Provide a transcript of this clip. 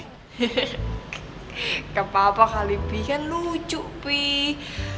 hehehe kepapa kali pih kan lucu pih